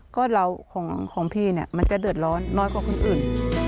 ก็ของพี่มันจะเดือดร้อนน้อยกว่าคนอื่น